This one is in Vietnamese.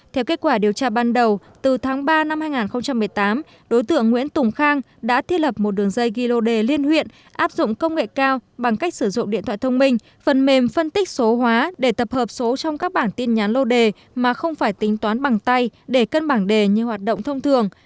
theo kết quả điều tra ban đầu từ tháng ba năm hai nghìn một mươi tám đối tượng nguyễn tùng khang đã thiết lập một đường dây ghi lô đề liên huyện áp dụng công nghệ cao bằng cách sử dụng điện thoại thông minh phần mềm phân tích số hóa để tập hợp số trong các bản tin nhắn lô đề mà không phải tính toán bằng tay để cân bảng đề như hoạt động thông thường